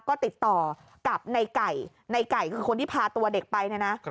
ก็ติดต่อกับในไก่ในไก่คือคนที่พาตัวเด็กไปเนี่ยนะ